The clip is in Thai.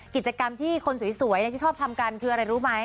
กิจกรรมที่คนสวยที่ชอบทำกันคืออะไรรู้ไหม